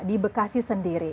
di bekasi sendiri